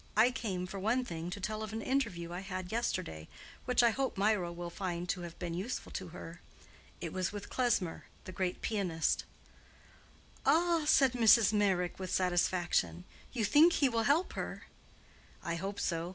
I came, for one thing, to tell of an interview I had yesterday, which I hope Mirah will find to have been useful to her. It was with Klesmer, the great pianist." "Ah?" said Mrs. Meyrick, with satisfaction. "You think he will help her?" "I hope so.